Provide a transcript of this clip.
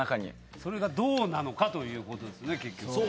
それがどうなのか？ということですね結局。